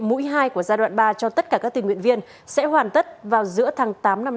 mũi hai của giai đoạn ba cho tất cả các tình nguyện viên sẽ hoàn tất vào giữa tháng tám năm nay